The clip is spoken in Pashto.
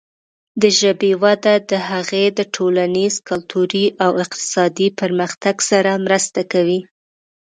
د ژبې وده د هغې د ټولنیز، کلتوري او اقتصادي پرمختګ سره مرسته کوي.